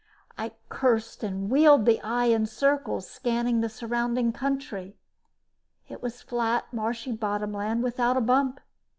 I cursed and wheeled the eye in circles, scanning the surrounding country. It was flat, marshy bottom land without a bump.